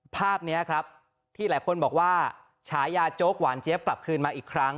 ภาพนี้ครับที่หลายคนบอกว่าฉายาโจ๊กหวานเจี๊ยบกลับคืนมาอีกครั้ง